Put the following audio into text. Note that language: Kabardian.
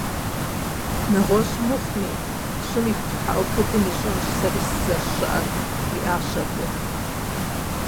- НэгъуэщӀ мыхъуми, пщым ипхъу тхьэӀухудым ищӀэнщ сэри сызэрыщыӀэр, - жиӀащ абы.